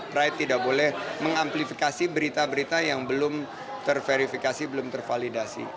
pride tidak boleh mengamplifikasi berita berita yang belum terverifikasi belum tervalidasi